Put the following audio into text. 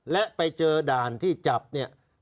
และไปเจอด่านที่จับเนี่ย